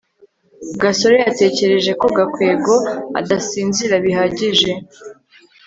gasore yatekereje ko gakwego adasinzira bihagije